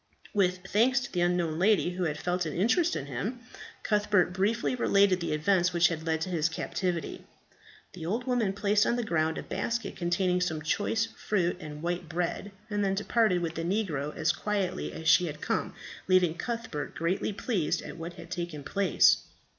With thanks to the unknown lady who had felt an interest in him, Cuthbert briefly related the events which had led to his captivity. The old woman placed on the ground a basket containing some choice fruit and white bread, and then departed with the negro as quietly as she had come, leaving Cuthbert greatly pleased at what had taken place.